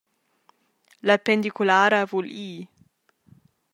La pendiculara vul ir.